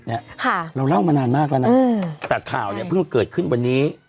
เนี้ยค่ะเราเล่ามานานมากแล้วนะอืมแต่ข่าวเนี่ยเพิ่งเกิดขึ้นวันนี้